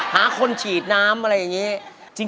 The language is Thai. หาคนฉีดน้ำอะไรอย่างนี้